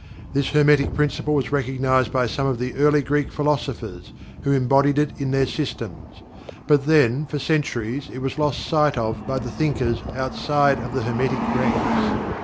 This Hermetic Principle was recognized by some of the early Greek philosophers who embodied it in their systems. But, then, for centuries it was lost sight of by the thinkers outside of the Hermetic ranks.